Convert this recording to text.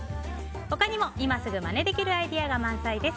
他にも、今すぐまねできるアイデアが満載です。